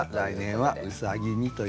はい。